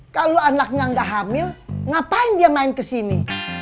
kalau anaknya nggak hamil ngapain dia main kesini